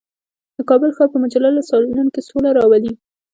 د کابل ښار په مجللو سالونونو کې سوله راولي.